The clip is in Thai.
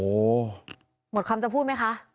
โอ้โหหมดคำจะพูดไหมคะ